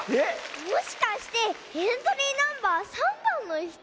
もしかしてエントリーナンバー３ばんのひと？